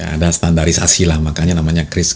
ada standarisasi lah makanya namanya krisis